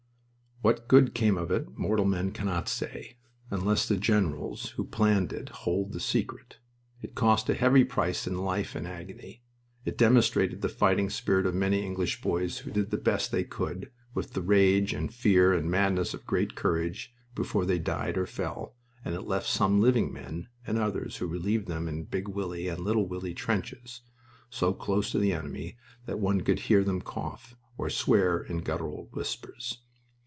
What good came of it mortal men cannot say, unless the generals who planned it hold the secret. It cost a heavy price in life and agony. It demonstrated the fighting spirit of many English boys who did the best they could, with the rage, and fear, and madness of great courage, before they died or fell, and it left some living men, and others who relieved them in Big Willie and Little Willie trenches, so close to the enemy that one could hear them cough, or swear in guttural whispers.